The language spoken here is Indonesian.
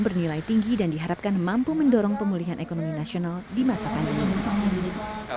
bernilai tinggi dan diharapkan mampu mendorong pemulihan ekonomi nasional di masa panjang